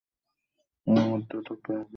এরা মধ্য ও দক্ষিণ আফ্রিকার দেশগুলোতে বাস করে।